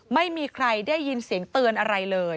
ไม่มีใครได้ยินเสียงเตือนอะไรเลย